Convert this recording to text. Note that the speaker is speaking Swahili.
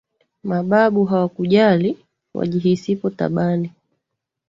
Mababu hawakujali, wajihisipo tabani,